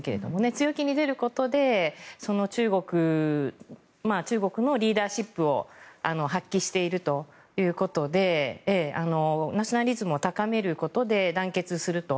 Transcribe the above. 強気に出ることで中国のリーダーシップを発揮しているということでナショナリズムを高めることで団結すると。